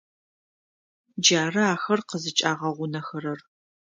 Джары ахэр къызыкӏагъэгъунэхэрэр.